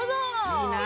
いいな。